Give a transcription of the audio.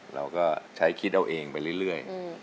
เราก็ใช้คิดเอาเองไปเรื่อย